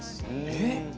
えっ？